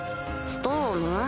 ストーム？